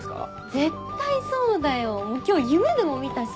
絶対そうだよ今日夢でも見たし。